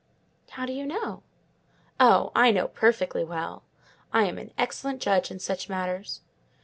"How do you know?" "Oh! I know perfectly well; I am an excellent judge in such matters.